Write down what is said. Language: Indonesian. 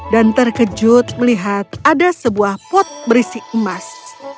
dan terkejut melihat ada sebuah pot berisi emas